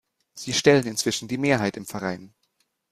Sie stellen inzwischen die Mehrheit im Verein.